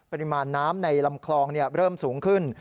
ปริมาณน้ำในลำคลองเริ่มสูงขึ้น